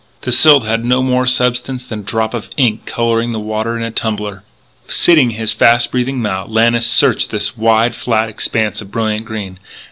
The silt had no more substance than a drop of ink colouring the water in a tumbler. Sitting his fast breathing mount, Lannis searched this wide, flat expanse of brilliant green.